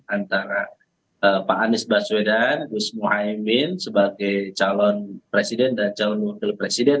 antara pak anies baswedan gus muhaymin sebagai calon presiden dan calon wakil presiden